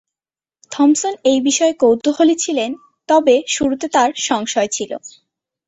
Thomson এই বিষয়ে কৌতূহলী ছিলেন তবে শুরুতে তাঁর সংশয় ছিল।